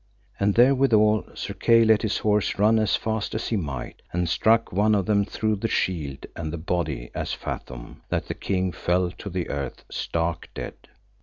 And therewithal, Sir Kay let his horse run as fast as he might, and struck one of them through the shield and the body a fathom, that the king fell to the earth stark dead.